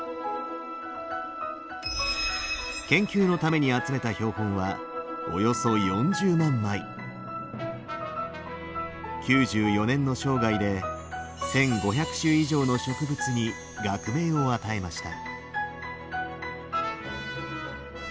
研究のために集めた９４年の生涯で１，５００種以上の植物に学名を与えました。